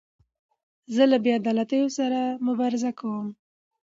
زه له بې عدالتیو سره مبارزه کوم.